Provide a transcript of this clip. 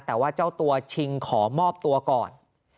แต่ว่าเจ้าตัวชิงขอมอบตัวก่อน